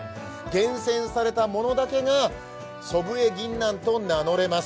厳選されたものだけが祖父江ぎんなんと名乗れます。